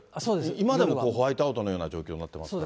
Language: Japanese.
今でもホワイトアウトのような状況になってますからね。